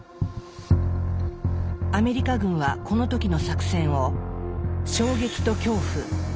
アメリカ軍はこの時の作戦を「衝撃と恐怖」と呼んでいました。